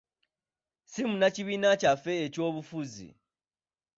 Si munnakibiina kyaffe eky'obufuzi.